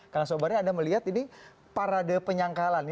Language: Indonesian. karena soalnya anda melihat ini parade penyangkalan